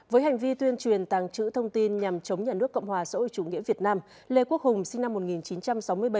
với hành vi tuyên truyền tàng trữ thông tin nhằm chống nhà nước cộng hòa xã hội chủ nghĩa việt nam lê quốc hùng sinh năm một nghìn chín trăm sáu mươi bảy